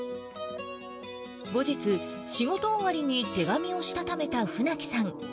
後日、仕事終わりに手紙をしたためた船木さん。